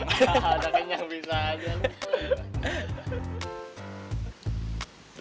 udah kenyang bisa aja lo